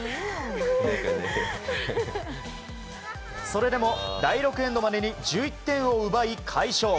それでも第６エンドまでに１１点を奪い、快勝。